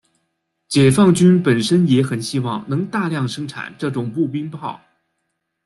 解放军本身也很希望能大量生产这种步兵炮。